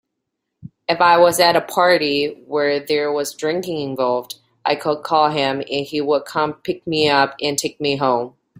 If I was at a party where there was drinking involved, I could call him and he would come pick me up and take me home.